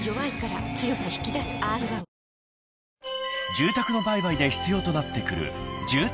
［住宅の売買で必要となってくる］